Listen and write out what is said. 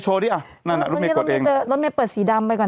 ดิอ่ะนั่นอ่ะรถเมฆตัวเองเจอรถเมย์เปิดสีดำไปก่อน